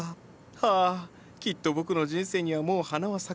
はあきっと僕の人生にはもう花は咲かない。